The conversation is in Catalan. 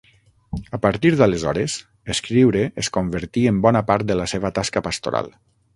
A partir d'aleshores, escriure es convertí en bona part de la seva tasca pastoral.